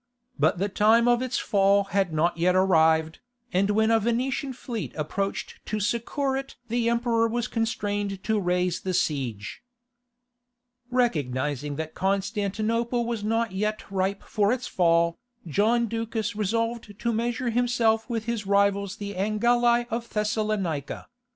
But the time of its fall was not yet arrived, and when a Venetian fleet approached to succour it the Emperor was constrained to raise the siege. Fountain In The Court Of St. Sophia. Recognizing that Constantinople was not yet ripe for its fall, John Ducas resolved to measure himself with his rivals the Angeli of Thessalonica.